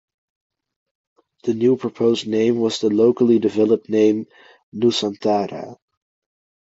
The new proposed name was the locally developed name "Nusantara".